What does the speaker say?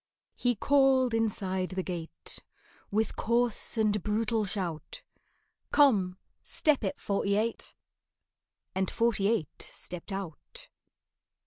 He called inside the gate With coarse and brutal shout, "Come, step it, Forty eight!" And Forty eight stepped out.